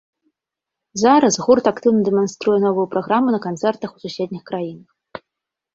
Зараз гурт актыўна дэманструе новую праграму на канцэртах у суседніх краінах.